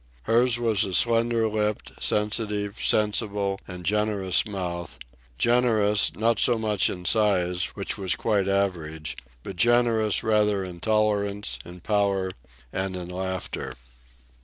Hers was a slender lipped, sensitive, sensible, and generous mouth—generous, not so much in size, which was quite average, but generous rather in tolerance, in power, and in laughter.